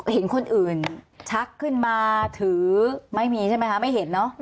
เห็นคนอื่นชักขึ้นมาถือไม่มีใช่ไหมคะไม่เห็นเนอะ